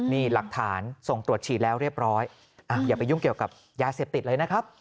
นี่หลักฐานส่งตรวจฉีดแล้วเรียบร้อยอย่าไปยุ่งเกี่ยวกับยาเสพติดเลยนะครับ